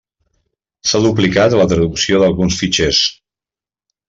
S'ha duplicat la traducció d'alguns fitxers.